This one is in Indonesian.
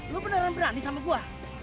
lu beneran berani sama gue